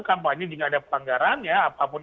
kampanye jika ada pelanggaran ya apapun